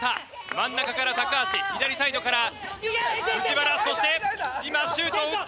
真ん中から高橋左サイドから藤原そして今シュートを打った！